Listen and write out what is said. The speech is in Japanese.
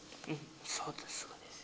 そうですそうです。